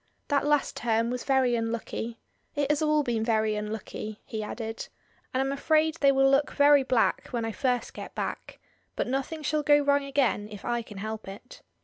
That last term was very unlucky. It has all been very unlucky," he added, "and I'm afraid they will look very black when I first get back, but nothing shall go wrong again if I can help it.